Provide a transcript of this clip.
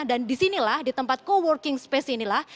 dan disinilah di tempat co working space inilah